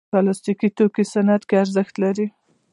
پلاستيکي توکي په صنعت کې ارزښت لري.